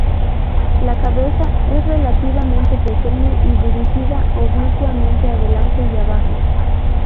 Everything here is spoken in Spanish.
La cabeza es relativamente pequeña y dirigida oblicuamente adelante y abajo.